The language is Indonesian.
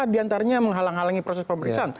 empat diantaranya menghalang halangi proses pemeriksaan